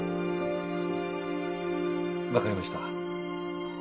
分かりました。